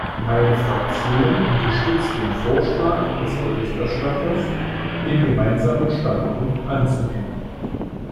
Meine Fraktion unterstützt den Vorschlag des Berichterstatters, den Gemeinsamen Standpunkt anzunehmen.